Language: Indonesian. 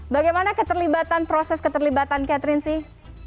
bagaimana keterlibatan proses keterlibatan catherine sih